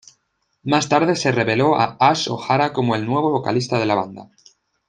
Más tarde se reveló a Ashe O’Hara como el nuevo vocalista de la banda.